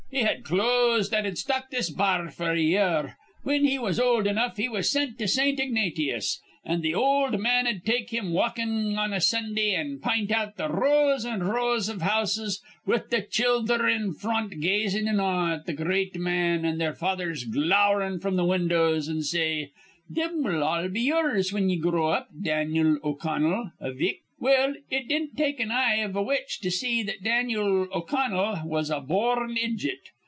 He had clothes that'd stock this ba ar f'r a year. Whin he was old enough, he was sint to Saint Ignatyous. An' th' ol' man'd take him walkin' on a Sundah, an' pint out th' rows an' rows iv houses, with th' childher in front gazin' in awe at th' great man an' their fathers glowerin' fr'm the windows, an' say, 'Thim will all be yours whin ye grow up, Dan'l O'Connell, avick.' "Well, it didn't take an eye iv a witch to see that Dan'l O'Connell was a bor rn idjet.